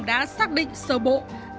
đã xác định sơ bộ